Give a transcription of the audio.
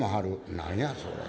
「何や？それ」。